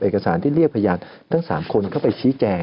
เอกสารที่เรียกพยานทั้ง๓คนเข้าไปชี้แจง